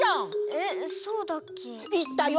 えっそうだっけ？いったよ！